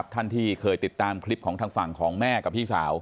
ท่านที่เคยติดตามคลิปของทางฝั่งของแม่กับพี่สาว